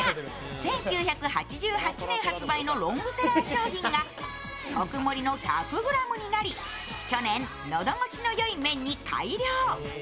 １９８８年発売のロングセラー商品が特盛の１００ｇになり、去年、喉越しのよい麺に改良。